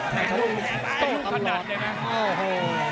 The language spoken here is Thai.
โต้กำลังโอ้โห